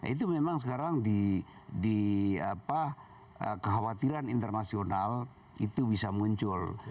itu memang sekarang di kekhawatiran internasional itu bisa muncul